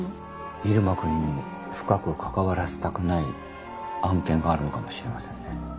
入間君に深く関わらせたくない案件があるのかもしれませんね。